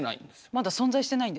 まだ存在してないんですね。